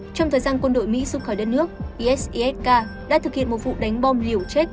trong thời gian quân đội mỹ rút khỏi đất nước isisk đã thực hiện một vụ đánh bom liều chết